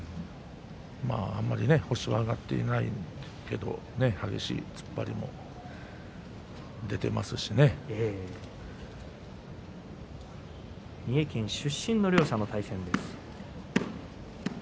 あまり星が挙がっていないけれども激しい突っ張りも三重県出身の両者の対戦です。